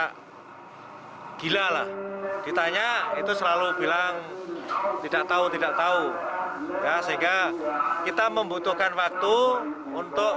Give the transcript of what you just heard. ya gila lah ditanya itu selalu bilang tidak tahu tidak tahu ya sehingga kita membutuhkan waktu untuk